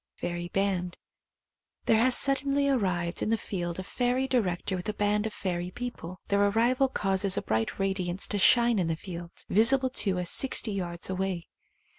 Fairy Band. There has suddenly arrived in the field a fairy director with a band of fairy people. Their arrival causes a bright radiance to shine in the field, visible to us sixty yards away.